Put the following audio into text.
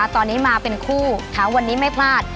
ตอนนี้มาเป็นคู่วันนี้ไม่พลาด